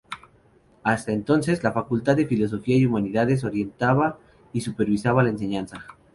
Hasta entonces, la Facultad de Filosofía y Humanidades orientaba y supervisaba la enseñanza.